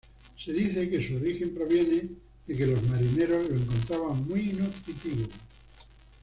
Se dice que su origen proviene de que los marineros lo encontraban muy nutritivo.